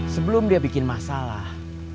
sebelum dia bikin masalah